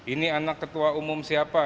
ini anak ketua umum siapa